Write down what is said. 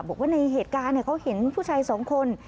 บอกว่าในเหตุการณ์เขาเห็นผู้ชายสองคน